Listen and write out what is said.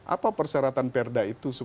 apa persyaratan perda itu